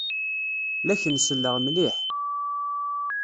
La ak-n-selleɣ mliḥ.